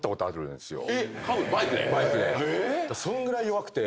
そんぐらい弱くて。